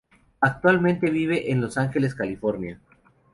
Actualmente vive en Los Angeles, California.